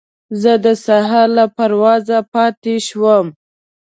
زه د سهار له پروازه پاتې شوم.